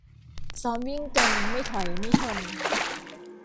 ซ้อมวิ่งกัน ไม่ถอยไม่ทน